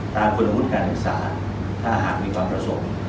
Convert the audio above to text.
ตามคุณพุทธการศึกษาถ้าอาหารมีความประสบ